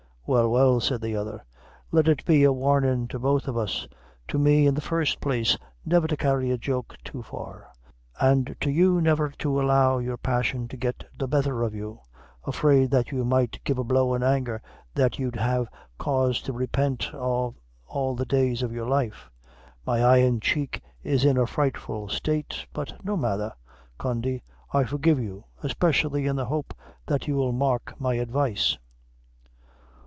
"Well, well," said the other, "let it be a warnin' to both of us; to me, in the first place, never to carry a joke too far; and to you, never to allow your passion to get the betther of you, afaird that you might give a blow in anger that you'd have cause to repent of all the days of your life. My eye and cheek is in a frightful state; but no matther, Condy, I forgive you, especially in the hope that you'll mark my advice."